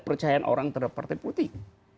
kepercayaan orang terhadap partai politik